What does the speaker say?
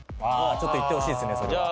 ちょっといってほしいですねそれは。